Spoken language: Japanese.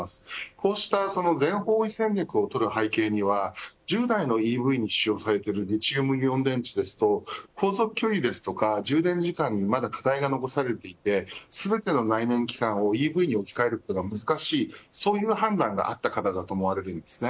こうした全方位戦略をとる背景には従来のＥＶに使用されているリチウムイオン電池ですと航続距離や充電時間などにまだ課題が残されていて全ての内燃機関をＥＶに置き換えることが難しいそういう判断があったからだと思われます。